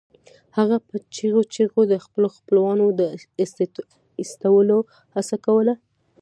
هغې په چیغو چیغو د خپلو خپلوانو د ایستلو هڅه کوله